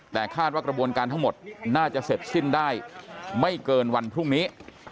แต่คาดว่ากระบวนการทั้งหมดน่าจะเสร็จสิ้นได้ไม่เกินวันพรุ่งนี้